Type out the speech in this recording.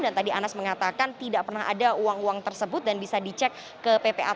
dan tadi anas mengatakan tidak pernah ada uang uang tersebut dan bisa dicek ke ppat